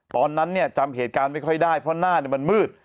ตอนนั้นจำเหตุการณ์ไม่ค่อยได้เพราะหน้ามันมืด